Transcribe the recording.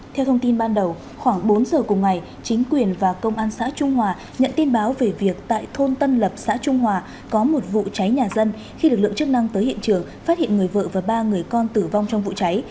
theo thông tin ban đầu khoảng bốn giờ cùng ngày chính quyền và công an xã trung hòa nhận tin báo về việc tại thôn tân lập xã trung hòa có một vụ cháy nhà dân khi lực lượng chức năng tới hiện trường phát hiện người vợ và ba người con tử vong trong vụ cháy